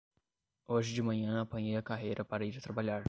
Hoje de manhã apanhei a carreira para ir trabalhar.